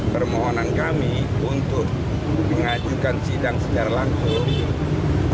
permohonan kami untuk mengajukan sidang secara langsung